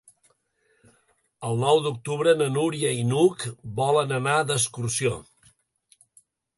El nou d'octubre na Núria i n'Hug volen anar d'excursió.